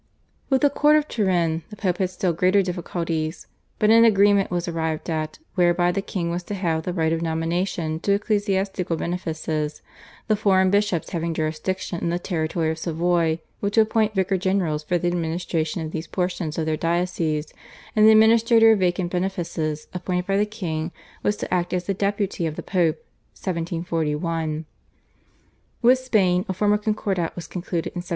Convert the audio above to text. With the court of Turin the Pope had still greater difficulties, but an agreement was arrived at, whereby the king was to have the right of nomination to ecclesiastical benefices; the foreign bishops having jurisdiction in the territory of Savoy were to appoint vicars general for the administration of these portions of their dioceses, and the administrator of vacant benefices appointed by the king was to act as the deputy of the Pope (1741). With Spain a formal concordat was concluded in 1753.